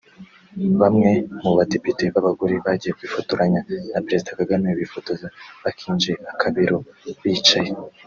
Bamwe mu badepite b’abagore bagiye kwifotoranya na Perezida Kagame bifotoza bakinje akabero (bicaye)